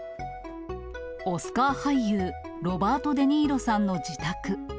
オスカー俳優、ロバート・デ・ニーロさんの自宅。